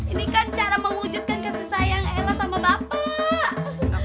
ini kan cara mewujudkan kasih sayang enak sama bapak